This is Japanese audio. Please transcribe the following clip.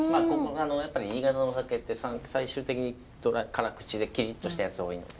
新潟のお酒って最終的にドライ辛口でキリッとしたやつ多いので。